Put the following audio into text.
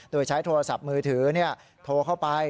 โดยใช้โทรศัพท์มือถือโทรเข้าไป